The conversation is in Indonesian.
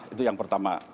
itu yang pertama